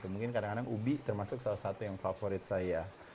mungkin kadang kadang ubi termasuk salah satu yang favorit saya